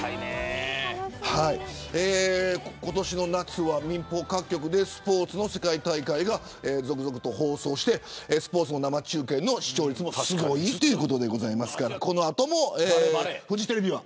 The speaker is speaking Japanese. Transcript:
今年の夏は民放各局でスポーツの世界大会が続々と放送されてスポーツの生中継の視聴率もすごいということですからこの後のフジテレビは。